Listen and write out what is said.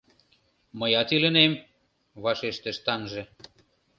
— Мыят илынем... — вашештыш таҥже.